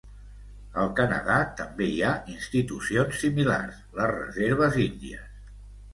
Al Canadà també hi ha institucions similars, les reserves índies.